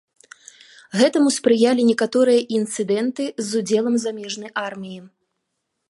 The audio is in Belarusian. Гэтаму спрыялі некаторыя інцыдэнты з удзелам замежнай арміі.